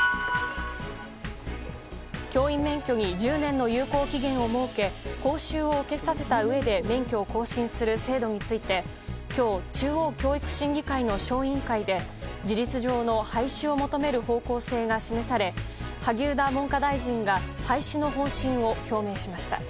教員免許に１０年の有効期限を設け講習を受けさせたうえで免許を更新する制度について今日、中央教育審議会の小委員会で事実上の廃止を求める方向性が示され萩生田文科大臣が廃止の方針を表明しました。